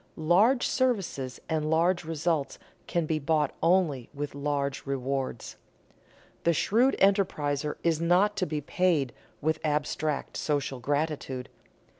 Large services and large results can be bought only with large rewards. The shrewd enterpriser is not to be paid with abstract social gratitude.